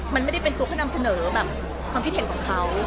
มันไม่ได้เป็นตัวเขานำเสนอแบบความคิดเห็นของเขา